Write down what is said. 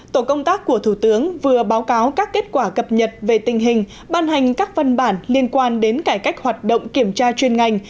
tổ công tác của thủ tướng vừa báo cáo các kết quả cập nhật về tình hình ban hành các văn bản liên quan đến cải cách hoạt động kiểm tra chuyên ngành